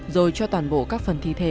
rồi cho toàn bộ các phần thi thể